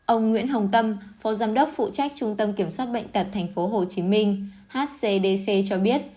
ông nguyễn hồng tâm phó giám đốc phụ trách trung tâm kiểm soát bệnh tật tp hcm hcdc cho biết